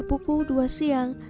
pukul dua siang